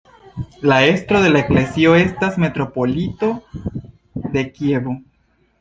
La estro de la eklezio estas la metropolito de Kievo.